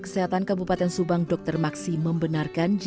jika kedua anak itu berubah sendiri jika kedua anak itu berubah sendiri